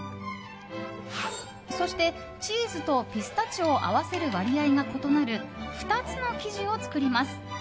そして、チーズとピスタチオを合わせる割合が異なる２つの生地を作ります。